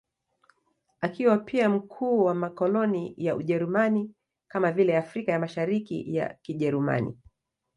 Akiwa pia mkuu wa makoloni ya Ujerumani, kama vile Afrika ya Mashariki ya Kijerumani.